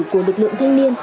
của lực lượng thanh niên